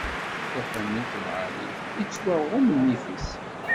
Tafamilt lɛali, ittwaɣumm nnif-is.